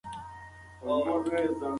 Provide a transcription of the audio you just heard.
تاسي د موندلو دپاره تر بالښت لاندي راز وموند؟